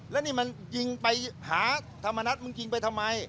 แล้วนี่มันยิงไปหาธรรมนัฐมึงยิงไปทำไม